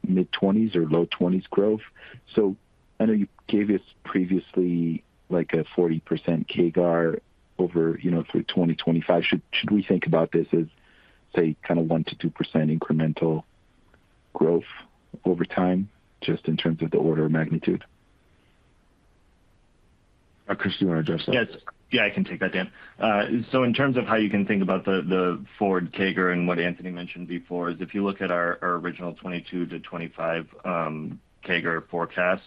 mid-20s% or low 20s% growth. I know you gave us previously like a 40% CAGR over, you know, through 2025. Should we think about this as, say kind of 1%-2% incremental growth over time, just in terms of the order of magnitude. Chris, do you want to address that? Yes. Yeah, I can take that, Dan. In terms of how you can think about the forward CAGR and what Anthony mentioned before is if you look at our original 22-25 CAGR forecast,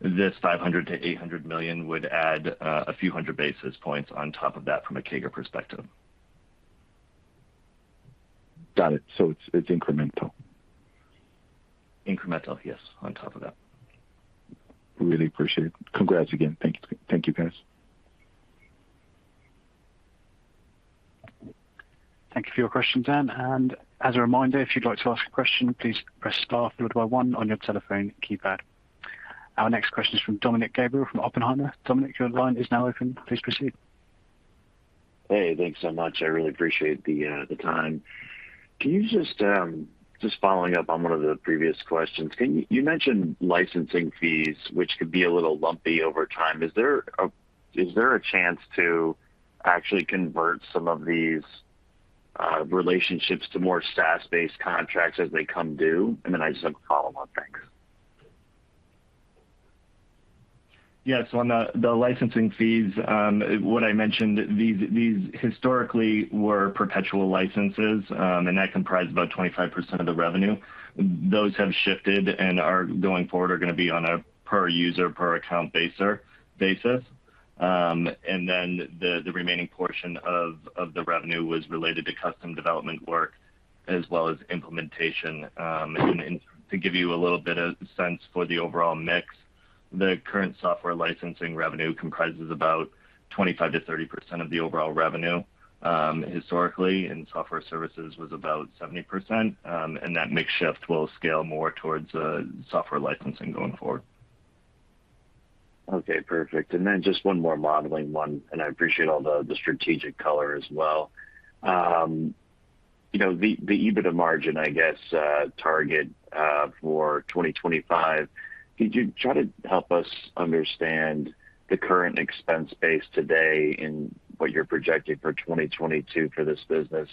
this $500 million-$800 million would add a few hundred basis points on top of that from a CAGR perspective. Got it. It's incremental. Incremental, yes. On top of that. Really appreciate it. Congrats again. Thank you. Thank you, guys. Thank you for your question, Dan. As a reminder, if you'd like to ask a question, please press star followed by one on your telephone keypad. Our next question is from Dominick Gabriele from Oppenheimer. Dominick, your line is now open. Please proceed. Hey, thanks so much. I really appreciate the time. Just following up on one of the previous questions. You mentioned licensing fees, which could be a little lumpy over time. Is there a chance to actually convert some of these relationships to more SaaS-based contracts as they come due? Then I just have a follow-up. Thanks. Yes. On the licensing fees, what I mentioned, these historically were perpetual licenses, and that comprised about 25% of the revenue. Those have shifted and are going forward gonna be on a per user, per account basis. The remaining portion of the revenue was related to custom development work as well as implementation. To give you a little bit of sense for the overall mix, the current software licensing revenue comprises about 25%-30% of the overall revenue, historically, and software services was about 70%. That mix shift will scale more towards software licensing going forward. Okay, perfect. Then just one more modeling one, and I appreciate all the strategic color as well. You know, the EBITDA margin, I guess, target for 2025, could you try to help us understand the current expense base today in what you're projecting for 2022 for this business?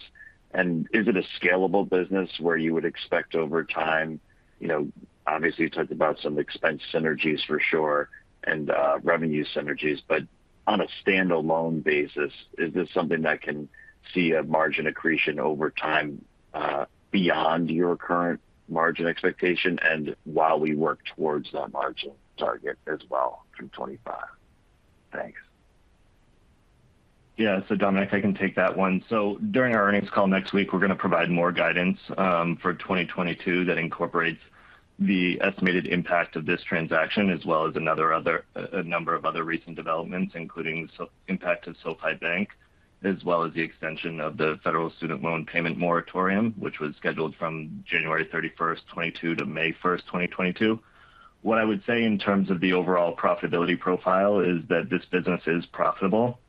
Is it a scalable business where you would expect over time, you know, obviously you talked about some expense synergies for sure and revenue synergies. But on a standalone basis, is this something that can see a margin accretion over time, beyond your current margin expectation and while we work towards that margin target as well through 2025? Thanks. Yeah. Dominick, I can take that one. During our earnings call next week, we're gonna provide more guidance for 2022 that incorporates the estimated impact of this transaction, as well as a number of other recent developments, including the impact of SoFi Bank, as well as the extension of the federal student loan payment moratorium, which was scheduled from January 31st, 2022 to May 1st, 2022. What I would say in terms of the overall profitability profile is that this business is profitable.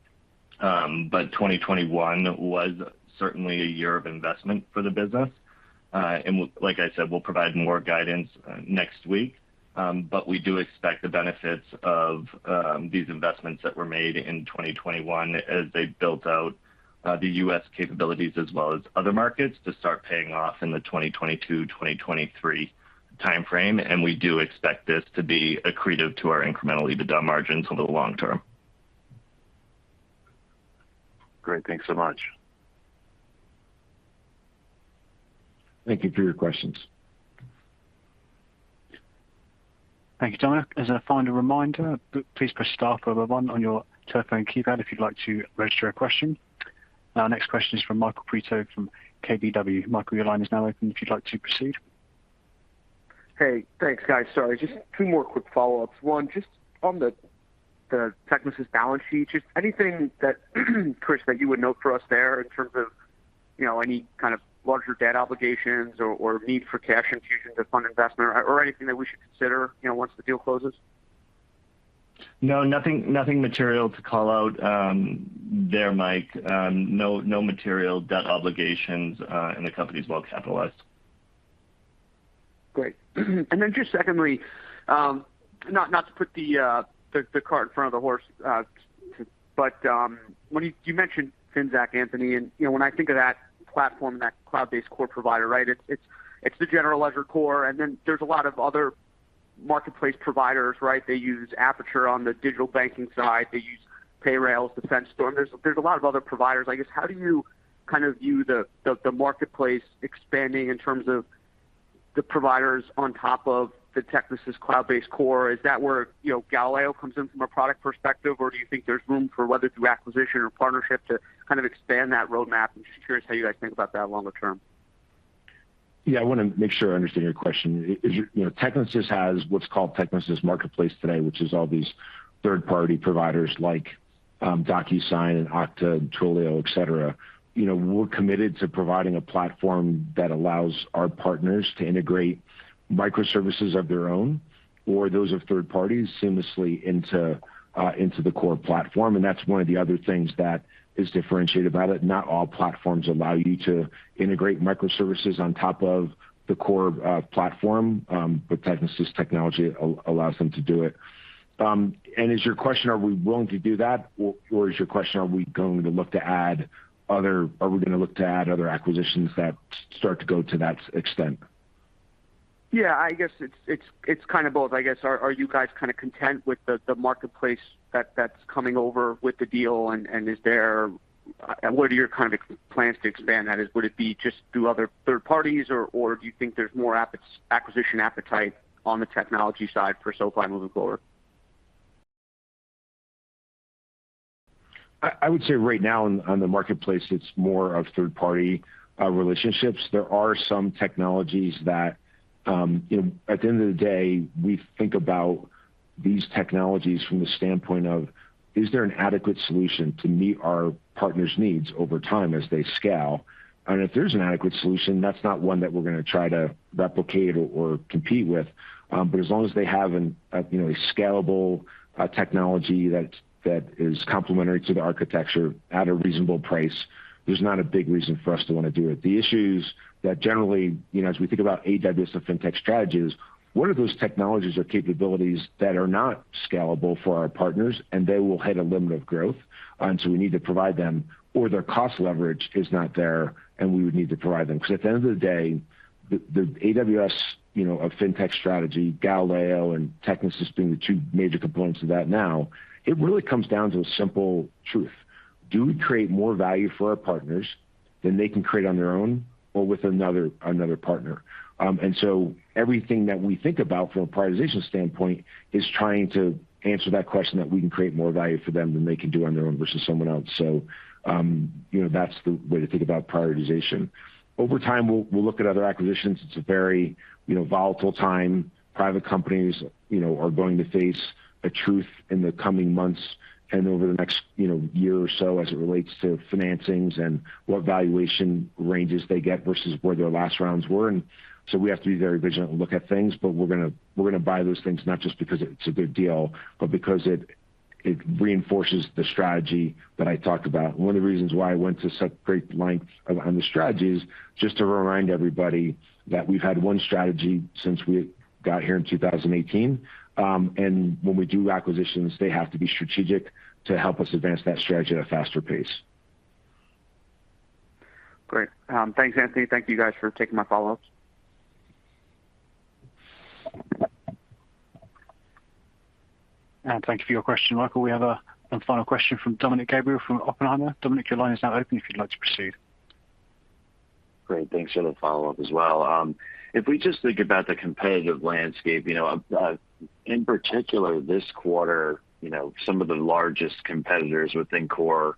2021 was certainly a year of investment for the business. Like I said, we'll provide more guidance next week. We do expect the benefits of these investments that were made in 2021 as they built out the U.S. capabilities as well as other markets to start paying off in the 2022, 2023 timeframe. We do expect this to be accretive to our incremental EBITDA margins over the long term. Great. Thanks so much. Thank you for your questions. Thank you, Dominick. As a final reminder, please press star followed by one on your telephone keypad if you'd like to register a question. Our next question is from Michael Perito from KBW. Michael, your line is now open if you'd like to proceed. Hey, thanks, guys. Sorry, just two more quick follow-ups. One, just on the Technisys balance sheet, just anything that, Chris, that you would note for us there in terms of, you know, any kind of larger debt obligations or need for cash infusion to fund investment or anything that we should consider, you know, once the deal closes? No, nothing material to call out there, Mike. No material debt obligations, and the company's well capitalized. Great. Just secondly, not to put the cart in front of the horse, but when you mentioned Finxact, Anthony, and you know, when I think of that platform and that cloud-based core provider, right? It's the general ledger core, and then there's a lot of other marketplace providers, right? They use Apiture on the digital banking side. They use Payrailz, DefenseStorm. There's a lot of other providers. I guess, how do you kind of view the marketplace expanding in terms of the providers on top of the Technisys cloud-based core? Is that where you know, Galileo comes in from a product perspective, or do you think there's room for whether through acquisition or partnership to kind of expand that roadmap? I'm just curious how you guys think about that longer term. Yeah. I want to make sure I understand your question. Is your question. You know, Technisys has what's called Technisys Marketplace today, which is all these third-party providers like DocuSign and Okta and Twilio, et cetera. You know, we're committed to providing a platform that allows our partners to integrate microservices of their own or those of third parties seamlessly into the core platform. That's one of the other things that is differentiated about it. Not all platforms allow you to integrate microservices on top of the core platform, but Technisys technology allows them to do it. Is your question are we willing to do that or is your question are we going to look to add other acquisitions that start to go to that extent? Yeah, I guess it's kind of both, I guess. Are you guys kind of content with the marketplace that's coming over with the deal and is there. What are your kind of plans to expand that? Would it be just through other third parties or do you think there's more acquisition appetite on the technology side for SoFi moving forward? I would say right now on the marketplace, it's more of third party relationships. There are some technologies that you know, at the end of the day, we think about these technologies from the standpoint of is there an adequate solution to meet our partners' needs over time as they scale? If there's an adequate solution, that's not one that we're gonna try to replicate or compete with. But as long as they have a you know, scalable technology that's complementary to the architecture at a reasonable price, there's not a big reason for us to wanna do it. The issues that generally, you know, as we think about AWS of Fintech strategies, what are those technologies or capabilities that are not scalable for our partners and they will hit a limit of growth, and so we need to provide them or their cost leverage is not there, and we would need to provide them. 'Cause at the end of the day, the AWS of Fintech strategy, Galileo and Technisys being the two major components of that now, it really comes down to a simple truth. Do we create more value for our partners than they can create on their own or with another partner? Everything that we think about from a prioritization standpoint is trying to answer that question that we can create more value for them than they can do on their own versus someone else. You know, that's the way to think about prioritization. Over time, we'll look at other acquisitions. It's a very, you know, volatile time. Private companies, you know, are going to face a truth in the coming months and over the next, you know, year or so as it relates to financings and what valuation ranges they get versus where their last rounds were. We have to be very vigilant and look at things, but we're gonna buy those things not just because it's a good deal, but because it reinforces the strategy that I talked about. One of the reasons why I went to such great length on the strategy is just to remind everybody that we've had one strategy since we got here in 2018. When we do acquisitions, they have to be strategic to help us advance that strategy at a faster pace. Great. Thanks, Anthony. Thank you guys for taking my follow-ups. Thank you for your question, Michael. We have a final question from Dominick Gabriele from Oppenheimer. Dominick, your line is now open if you'd like to proceed. Great. Thanks for the follow-up as well. If we just think about the competitive landscape, you know, in particular this quarter, you know, some of the largest competitors within core,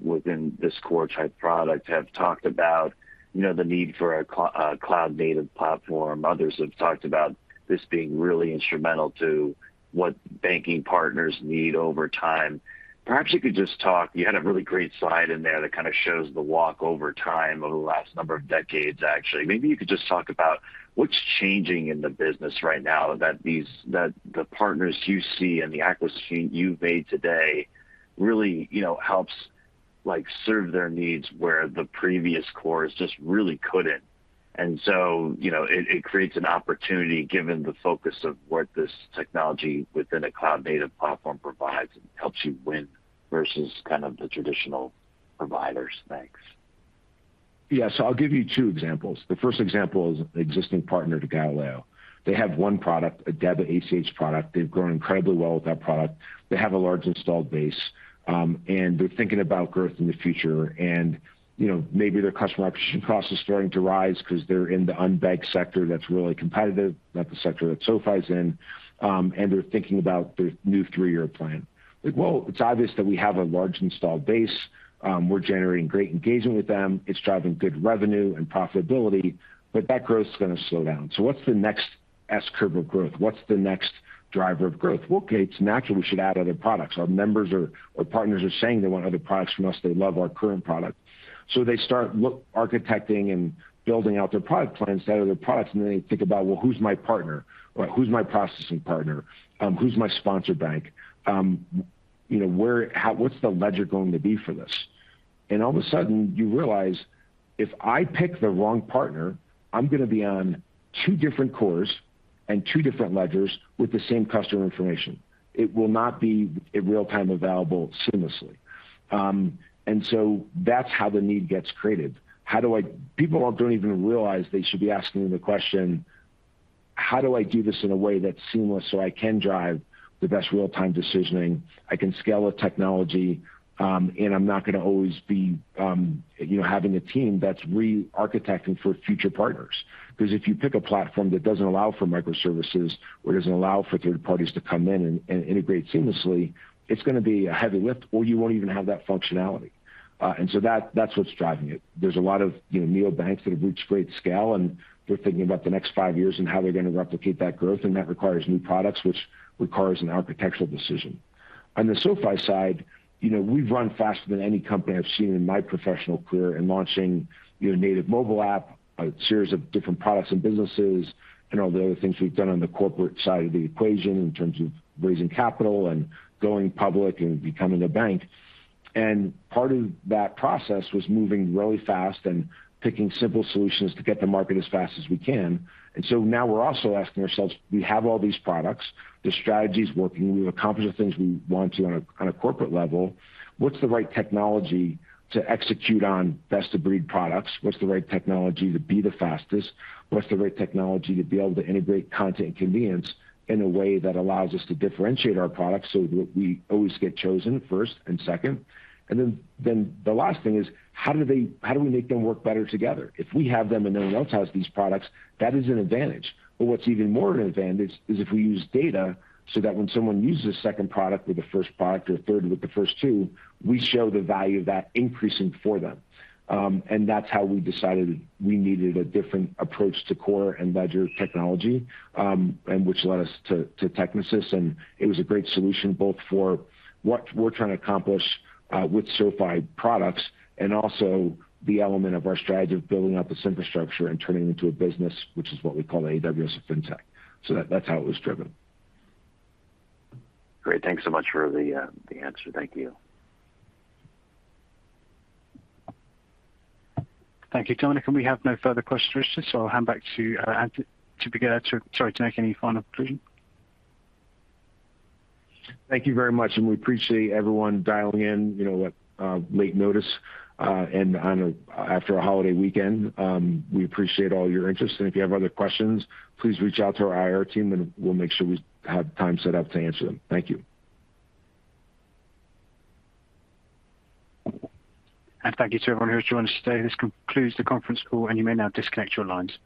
within this core type product have talked about, you know, the need for a cloud-native platform. Others have talked about this being really instrumental to what banking partners need over time. Perhaps you could just talk. You had a really great slide in there that kinda shows the walk over time over the last number of decades, actually. Maybe you could just talk about what's changing in the business right now that the partners you see and the acquisition you've made today really, you know, helps like serve their needs where the previous cores just really couldn't. You know, it creates an opportunity given the focus of what this technology within a cloud-native platform provides and helps you win versus kind of the traditional providers. Thanks. Yeah. I'll give you two examples. The first example is an existing partner to Galileo. They have one product, a debit ACH product. They've grown incredibly well with that product. They have a large installed base, and they're thinking about growth in the future. You know, maybe their customer acquisition cost is starting to rise 'cause they're in the unbanked sector that's really competitive, not the sector that SoFi's in, and they're thinking about their new three-year plan. It's obvious that we have a large installed base. We're generating great engagement with them. It's driving good revenue and profitability, but that growth is gonna slow down. What's the next S-curve of growth? What's the next driver of growth? Okay, it's natural we should add other products. Our members or partners are saying they want other products from us. They love our current product. They start architecting and building out their product plans, set up other products, and then they think about, "Well, who's my partner? Who's my processing partner? Who's my sponsor bank? You know, where, how, what's the ledger going to be for this?" All of a sudden, you realize if I pick the wrong partner, I'm gonna be on two different cores and two different ledgers with the same customer information. It will not be in real-time available seamlessly. That's how the need gets created. How do I... People don't even realize they should be asking the question, "How do I do this in a way that's seamless so I can drive the best real-time decisioning, I can scale a technology, and I'm not gonna always be, you know, having a team that's re-architecting for future partners?" 'Cause if you pick a platform that doesn't allow for microservices or doesn't allow for third parties to come in and integrate seamlessly, it's gonna be a heavy lift, or you won't even have that functionality. That's what's driving it. There's a lot of, you know, neobanks that have reached great scale, and they're thinking about the next five years and how they're gonna replicate that growth, and that requires new products, which requires an architectural decision. On the SoFi side, you know, we've run faster than any company I've seen in my professional career in launching, you know, native mobile app, a series of different products and businesses, and all the other things we've done on the corporate side of the equation in terms of raising capital and going public and becoming a bank. Part of that process was moving really fast and picking simple solutions to get to market as fast as we can. Now we're also asking ourselves, we have all these products, the strategy's working, we've accomplished the things we want to on a corporate level. What's the right technology to execute on best-of-breed products? What's the right technology to be the fastest? What's the right technology to be able to integrate content and convenience in a way that allows us to differentiate our products so that we always get chosen first and second? The last thing is how do we make them work better together? If we have them and no one else has these products, that is an advantage. What's even more an advantage is if we use data so that when someone uses a second product with the first product or third with the first two, we show the value of that increasing for them. That's how we decided we needed a different approach to core and ledger technology, and which led us to Technisys. It was a great solution both for what we're trying to accomplish with SoFi products and also the element of our strategy of building out this infrastructure and turning it into a business, which is what we call AWS of Fintech. That's how it was driven. Great. Thanks so much for the answer. Thank you. Thank you, Dominick. We have no further questions, so I'll hand back to Anthony to make any final conclusion. Thank you very much, and we appreciate everyone dialing in, you know, at late notice and after a holiday weekend. We appreciate all your interest. If you have other questions, please reach out to our IR team, and we'll make sure we have time set up to answer them. Thank you. Thank you to everyone who has joined us today. This concludes the conference call, and you may now disconnect your lines.